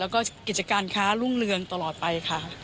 และกิจการขารุ่งเรืองตลอดไป